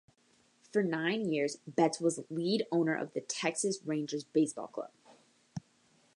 For nine years, Betts was lead owner of the Texas Rangers Baseball Club.